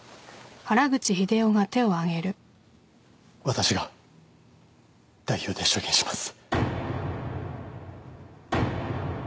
私が代表で証言します。